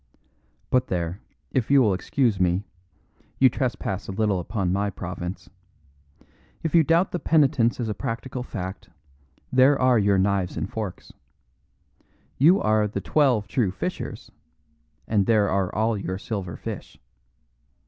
But there, if you will excuse me, you trespass a little upon my province. If you doubt the penitence as a practical fact, there are your knives and forks. You are The Twelve True Fishers, and there are all your silver fish.